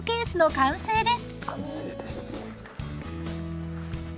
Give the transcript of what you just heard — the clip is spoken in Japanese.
完成です。